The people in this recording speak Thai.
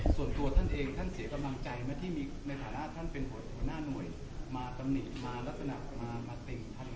ส่วนตัวท่านเองท่านเสียกำลังใจไหมที่มีในฐานะท่านเป็นหัวหน้าหน่วยมาตำหนิมาลักษณะมาติ่งท่าน